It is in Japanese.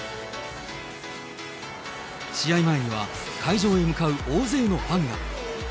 試合前には会場へ向かう大勢のファンが。